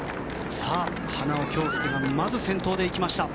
花尾恭輔がまず先頭で行きました。